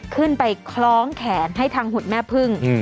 คล้องแขนให้ทางหุ่นแม่พึ่ง